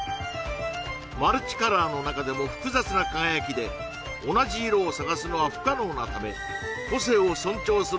マルチカラーの中でも複雑な輝きで同じ色を探すのは不可能なため個性を尊重する